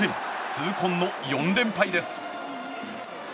痛恨の４連敗です。